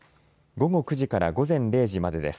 午後９時から午前０時までです。